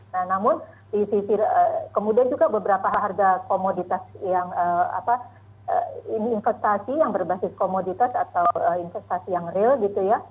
nah namun di sisi kemudian juga beberapa harga komoditas yang investasi yang berbasis komoditas atau investasi yang real gitu ya